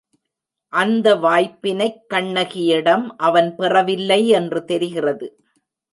அந்த வாய்ப்பினைக் கண்ணகியிடம் அவன் பெறவில்லை என்று தெரிகிறது.